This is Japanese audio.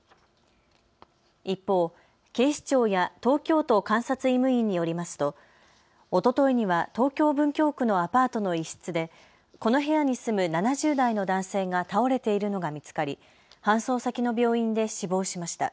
一方、警視庁や東京都監察医務院によりますとおとといには東京文京区のアパートの一室でこの部屋に住む７０代の男性が倒れているのが見つかり搬送先の病院で死亡しました。